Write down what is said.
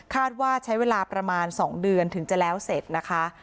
ว่าใช้เวลาประมาณ๒เดือนถึงจะแล้วเสร็จนะคะ